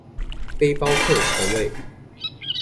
背包客床位